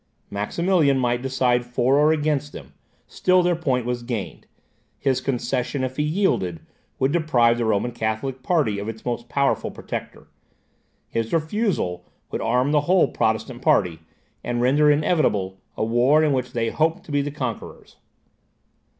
Maximilian might decide for or against them, still their point was gained; his concession, if he yielded, would deprive the Roman Catholic party of its most powerful protector; his refusal would arm the whole Protestant party, and render inevitable a war in which they hoped to be the conquerors.